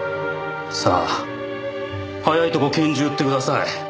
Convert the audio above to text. さあ早いとこ拳銃売ってください。